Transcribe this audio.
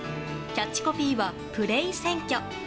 キャッチコピーは「ＰＬＡＹ選挙」。